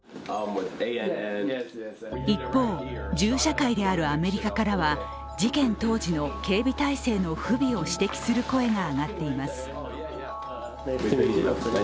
一方、銃社会であるアメリカからは事件当時の警備態勢の不備を指摘する声が上がっています。